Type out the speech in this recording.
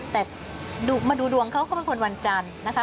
แต่มาดูดวงเขาก็เป็นคนวันจันทร์นะคะ